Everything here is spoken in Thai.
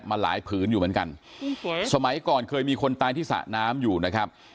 มาหลายผืนอยู่เหมือนกันสมัยก่อนเคยมีคนตายที่สระน้ำอยู่นะครับ